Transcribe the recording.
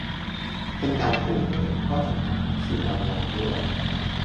เป็นการปูให้เห็นข้อจำกัดของสื่อออนไลน์ด้วย